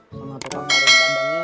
sama tukang warung padangnya